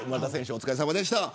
お疲れさまでした。